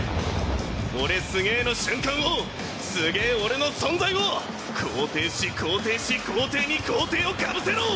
「俺すげぇ」の瞬間をすげぇ俺の存在を肯定し肯定し肯定に肯定をかぶせろ！